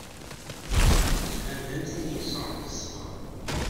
Tban-d am tin yesṛuḥen ṣṣber.